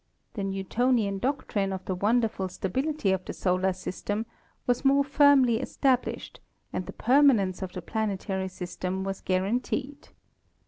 The New tonian doctrine of the wonderful stability of the solar sys tem was more firmly established and the permanence of the planetary system was guaranteed.